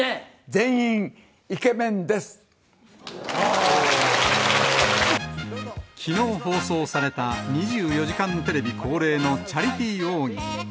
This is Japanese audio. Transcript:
全員、きのう放送された２４時間テレビ恒例のチャリティー大喜利。